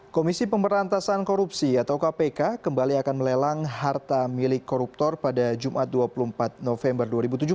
komisi pemberantasan korupsi atau kpk kembali akan melelang harta milik koruptor pada jumat dua puluh empat november dua ribu tujuh belas